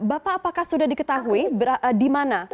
bapak apakah sudah diketahui di mana